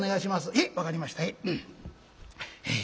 「へえ分かりましたへえ。